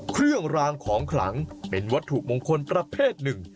เครื่องรางของขลังเป็นวัตถุมงคลประเภทหนึ่ง